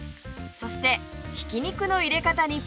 そしてひき肉の入れ方にポイントが！